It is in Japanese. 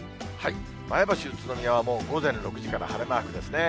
前橋、宇都宮はもう、午前６時から晴れマークですね。